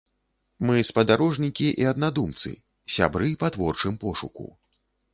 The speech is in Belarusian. Мы спадарожнікі і аднадумцы, сябры па творчым пошуку.